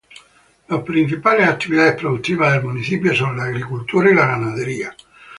Las principales actividades productivas del municipio son la agricultura y la ganadería.